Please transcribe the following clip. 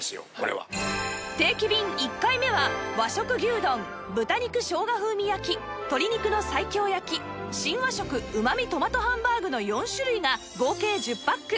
定期便１回目は和食牛丼豚肉生姜風味焼き鶏肉の西京焼き新和食旨味トマトハンバーグの４種類が合計１０パック